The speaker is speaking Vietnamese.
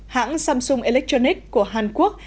hãng samsung electronics của hàn quốc